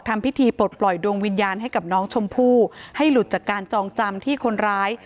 ทำพิธีปลดปล่อยดวงวิญญาณให้กับน้องชมพู่ให้หลุดจากการจองจำที่คนร้าย